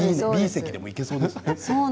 Ｂ席でもいけそうですね。